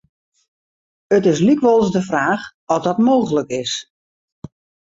It is lykwols de fraach oft dat mooglik is.